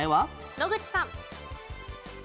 野口さん。